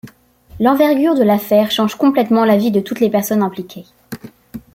L'envergure de l'affaire change complètement la vie de toutes les personnes impliquées.